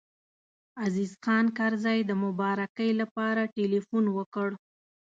عزیز خان کرزی د مبارکۍ لپاره تیلفون وکړ.